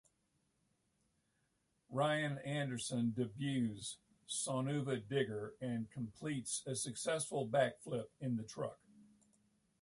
Ryan Anderson debuts Son-Uva Digger and completes a successful backflip in the truck.